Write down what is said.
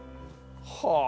はあ！